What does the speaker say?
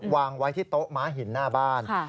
วางไว้ที่โต๊ะม้าหินหน้าบ้าน